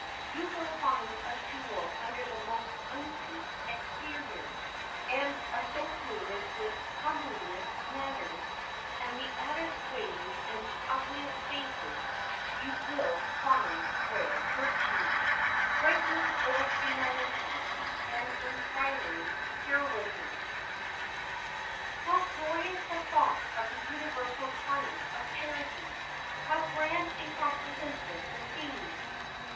You will find a jewel under the most uncouth exterior, and associated with comeliest manners and the oddest ways and the ugliest faces you will find rare virtues, fragrant little humanities, and inspiring heroisms. How glorious the thought of the universal triumph of charity! How grand and comprehensive the theme!